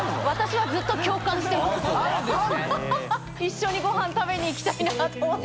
貊錣ごはん食べに行きたいなと思って。